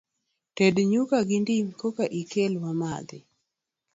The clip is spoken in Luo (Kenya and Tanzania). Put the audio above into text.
Ted nyuka gi dim eka ikel wamadhi.